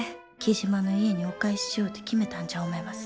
雉真の家にお返ししようと決めたんじゃ思います。